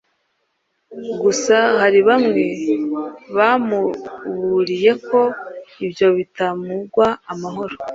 Gusa hari bamwe bamuburiye ko ibyo bitamugwa amahoro.